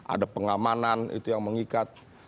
ada pengamanan itu yang mengikat